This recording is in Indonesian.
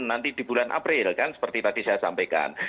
nanti di bulan april kan seperti tadi saya sampaikan